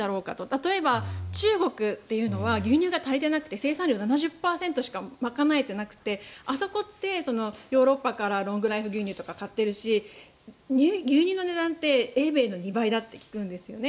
例えば中国というのは牛乳が足りてなくて生産量の７０％しか賄えてなくてあそこってヨーロッパから牛乳とか買ってるし牛乳の値段って英米の２倍だって聞くんですよね。